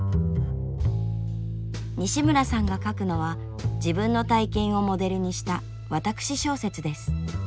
西村さんが書くのは自分の体験をモデルにした私小説です。